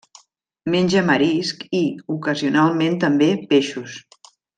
Menja marisc i, ocasionalment també, peixos.